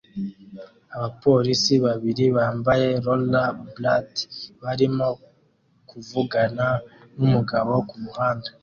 Abapolisi babiri bambaye rollerblad barimo kuvugana numugabo kumuhanda